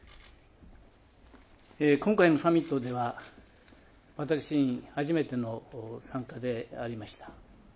今回のサミットでは私自身初めての参加でありました。